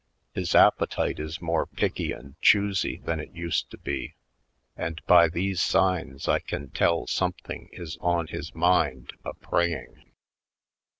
His appetite is more picky and choosy than it used to be; and by these signs I can tell something is on his mind a preying.